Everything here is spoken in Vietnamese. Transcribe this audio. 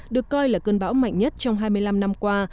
được coi là cơn bão mạnh nhất trong hai mươi năm năm qua